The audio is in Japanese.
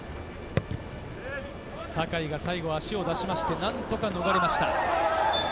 酒井が最後は足を出して何とか逃れました。